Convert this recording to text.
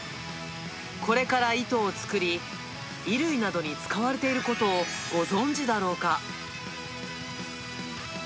これから糸を作り、衣類などに使われていることをご存じだろうか。